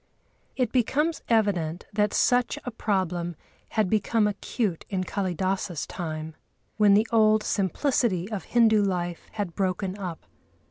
It becomes evident that such a problem had become acute in Kâlidâsa's time, when the old simplicity of Hindu life had broken up.